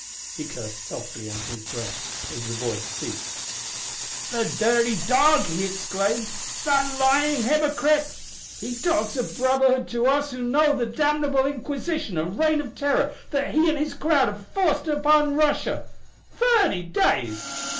He cursed softly under his breath as the voice ceased. "The dirty dog!" he exclaimed. "The lying hypocrite! He talks of brotherhood to us who know the damnable inquisition and reign of terror that he and his crowd have forced on Russia! Thirty days!